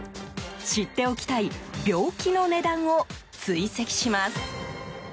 知っておきたい病気の値段を追跡します。